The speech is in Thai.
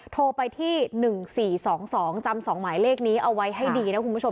โทรไปที่หนึ่งสี่สองสองจำสองหมายเลขนี้เอาไว้ให้ดีนะคุณผู้ชม